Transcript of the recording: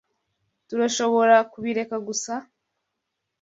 Tturashoborakubireka gusa?